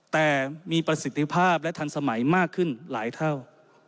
แต่มีประสิทธิภาพและทันสมัยมากขึ้นหลายเท่า